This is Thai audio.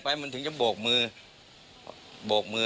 พี่สมหมายก็เลย